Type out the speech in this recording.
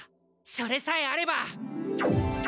それさえあれば。